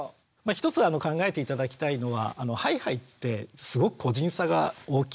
一つ考えて頂きたいのはハイハイってすごく個人差が大きいっていうことなんですね。